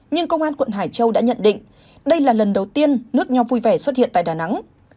nhưng công an quận hải châu đã nhận định đây là lần đầu tiên nước nho vui vẻ xuất hiện tại đà nẵng